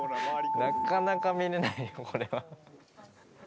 なかなか見れないこれは。